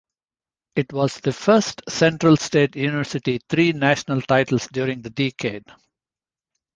It was the first of Central State University three national titles during the decade.